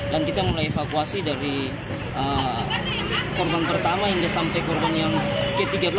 dan kita mulai evakuasi dari korban pertama hingga sampai korban yang ke tiga belas